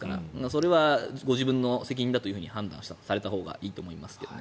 それはご自分の責任だと判断されたほうがいいと思いますけどね。